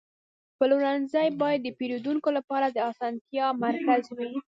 پلورنځی باید د پیرودونکو لپاره د اسانتیا مرکز وي.